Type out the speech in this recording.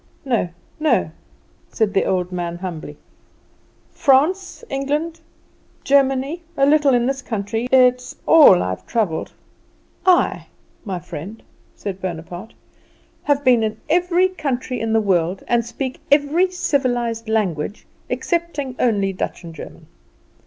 "No, no," said the old man humbly. "France, England, Germany, a little in this country; it is all I have travelled." "I, my friend," said Bonaparte, "I have been in every country in the world, and speak every civilised language, excepting only Dutch and German.